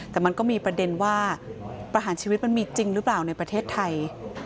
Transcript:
แต่มันก็มีประเด็นว่าประหารชีวิตมันมีจริงหรือเปล่าในประเทศไทย